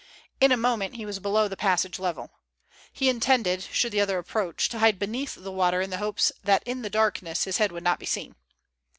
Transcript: In a moment he was below the passage level. He intended, should the other approach, to hide beneath the water in the hope that in the darkness his head would not be seen.